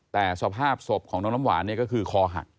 แต่สภาพศพของน้องน้ำหวานก็คือคอหัก